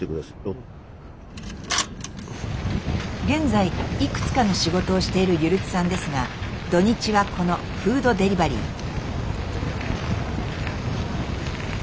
現在いくつかの仕事をしているゆるつさんですが土日はこのフードデリバリー。